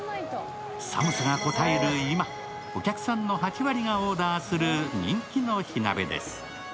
寒さがこたえる今、お客さんの８割がオーダーする人気の火鍋です。